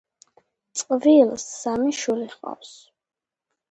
წყვილს სამი შვილი ჰყავს.